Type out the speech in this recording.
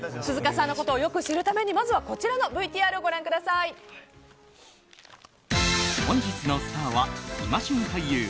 鈴鹿さんのことを知るためにまずはこちらのＶＴＲをご覧ください。